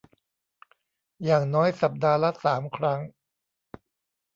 อย่างน้อยสัปดาห์ละ สาม ครั้ง